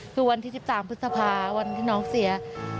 คือวันที่๑๓พฤษภาวันที่น้องเสีย